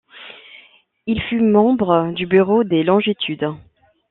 Il fut membre du Bureau des longitudes.